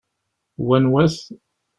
N wanwa-t?